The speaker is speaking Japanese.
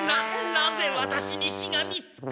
なぜワタシにしがみつく？